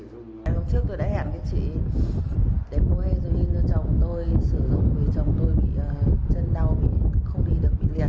lúc trước tôi đã hẹn với chị để mua heroin cho chồng tôi sử dụng vì chồng tôi bị chân đau không đi được bị liệt